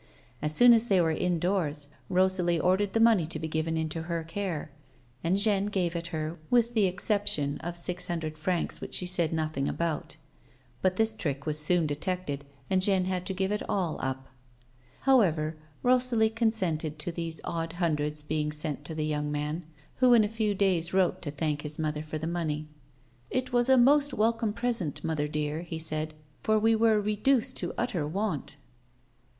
As A WOMAN'S LIFE. 227 soon as they were indoors Rosalie ordered the money to be given into her care, and Jeanne gave it her with the exception of the six hundred francs which she said nothing about ; but this trick was soon detected and Jeanne had to give it all up. However, Rosalie consented to these odd hundreds being sent to the young man, who in a few days wrote to thank his mother for the money. " It was a most welcome present, mother dear," he said, " for we were re duced to utter want."